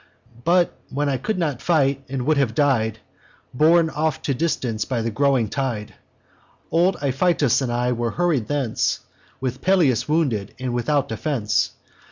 But, when I could not fight, and would have died, Borne off to distance by the growing tide, Old Iphitus and I were hurried thence, With Pelias wounded, and without defence.